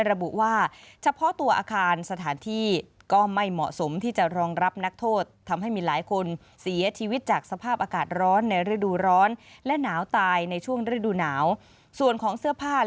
ระบุว่าเฉพาะตัวอาคารสถานที่ก็ไม่เหมาะสมที่จะรองรับนักโทษ